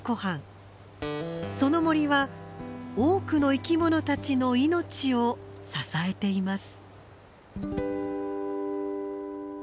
その森は多くの生き物たちの命を支えています。